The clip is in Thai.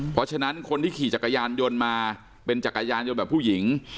เพราะฉะนั้นคนที่ขี่จักรยานยนต์มาเป็นจักรยานยนต์แบบผู้หญิง